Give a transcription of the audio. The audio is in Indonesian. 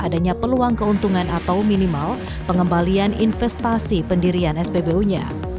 adanya peluang keuntungan atau minimal pengembalian investasi pendirian spbu nya